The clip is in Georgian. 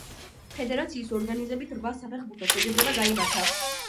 ფედერაციის ორგანიზებით რვა საფეხბურთო შეჯიბრება გაიმართა.